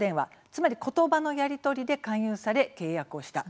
つまり言葉のやり取りで勧誘され契約をした。